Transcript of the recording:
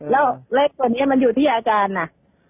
แล้วเลขตัวนี้มันอยู่ที่อาจารย์น่ะ